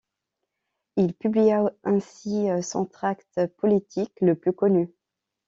Il publia ainsi son tract politique le plus connu, '.